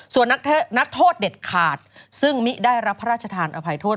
ส่วนนักโทษเด็ดขาดซึ่งมิได้รับพระราชทานอภัยโทษ